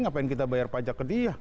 ngapain kita bayar pajak ke dia